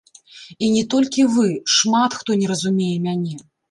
І не толькі вы, шмат хто не разумее мяне.